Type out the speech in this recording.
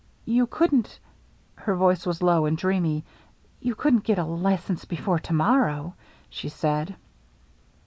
"You couldn't —" her voice was low and dreamy. "You couldn't get a license before to morrow," she said.